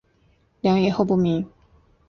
梁以后不明。